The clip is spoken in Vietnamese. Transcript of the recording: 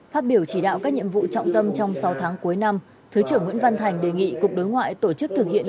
phát biểu chỉ đạo các nhiệm vụ trọng tâm trong sáu tháng cuối năm thứ trưởng nguyễn văn thành đề nghị cục đối ngoại tổ chức thực hiện